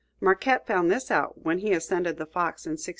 Marquette found this out when he ascended the Fox in 1673.